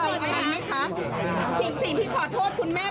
ผมได้พูดกับคุณแม่